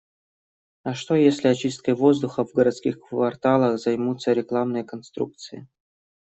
А что если очисткой воздуха в городских кварталах займутся рекламные конструкции